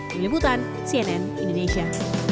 diliputan cnn indonesia